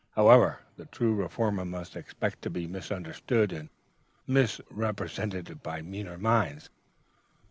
However, the true Reformer must expect to be misunderstood and misrepresented by meaner minds.